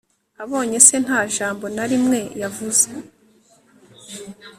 Abonye se nta jambo na rimwe yavuze